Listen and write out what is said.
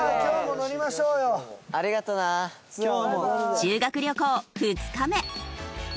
修学旅行２日目。